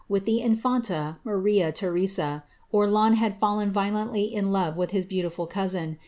with the infanta, Maria Therea, Orleans had fallen violently in love with his beautiful cousin.